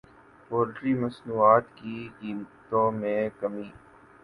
poultry مصنوعات کی قیمتوں میں کمی